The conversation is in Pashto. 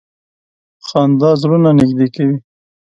• خندا زړونه نږدې کوي.